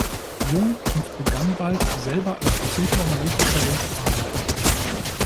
Jung und begann bald, selber als Psychoanalytikerin zu arbeiten.